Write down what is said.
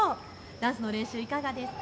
ダンスの練習いかがですか？